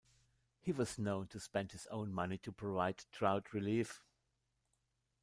He was known to spend his own money to provide drought relief.